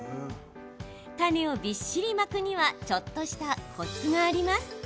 種をびっしりまくにはちょっとしたコツがあります。